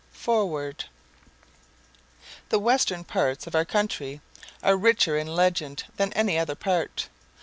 4_ FOREWORD The western parts of our country are richer in legend than any other part.